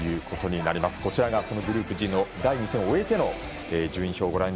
こちらがグループＧの第２戦を終えての順位表です。